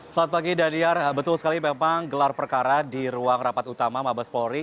selamat pagi daniar betul sekali memang gelar perkara di ruang rapat utama mabes polri